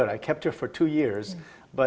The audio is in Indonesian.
saya menjaga dia selama dua tahun